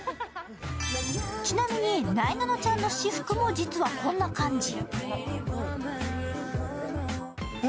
ちなみになえなのちゃんの私服も実はこんな感じ。